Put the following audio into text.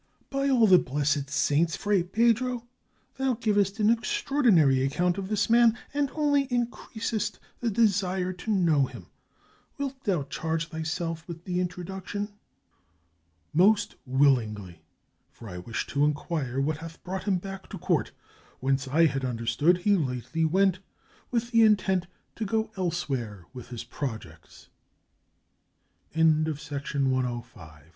"By all the blessed saints! Fray Pedro, thou givest an extraordinary account of this m^an, and only in creasest the desire to know him. Wilt thou charge thy self with the introduction?" "Most willingly, for I wish to inquire what hath brought him back to court, whence, I had understood, he lately went, with the intent to